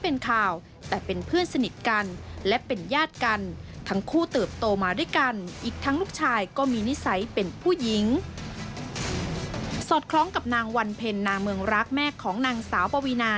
สอดคล้องกับนางวันเพ็ญนาเมืองรักแม่ของนางสาวปวีนา